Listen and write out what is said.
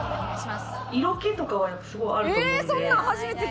色気とかはすごいあると思うんで。